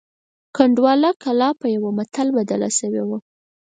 کنډواله کلا په یوه متل بدله شوې وه.